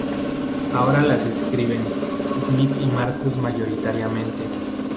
Ahora las escriben Smith y Marcus mayoritariamente.